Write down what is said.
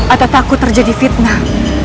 atau takut terjadi fitnah